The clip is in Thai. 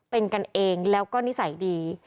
เป็นกันเองแล้วก็นิสัยดี